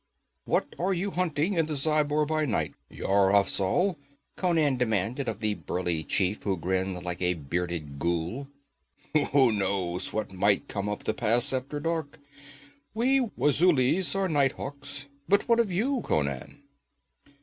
'What are you hunting in the Zhaibar by night, Yar Afzal?' Conan demanded of the burly chief, who grinned like a bearded ghoul. 'Who knows what might come up the Pass after dark? We Wazulis are night hawks. But what of you, Conan?'